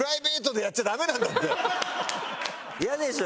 嫌でしょ？